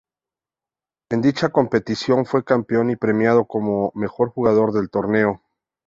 En dicha competición fue campeón y premiado como mejor jugador del torneo.